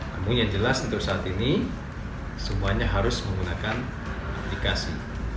namun yang jelas untuk saat ini semuanya harus menggunakan aplikasi